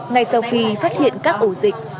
ngay sau khi phát hiện các ổ dịch